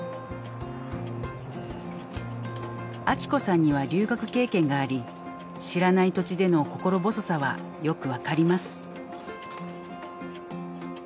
亜紀子さんには留学経験があり知らない土地での心細さはよくわかります。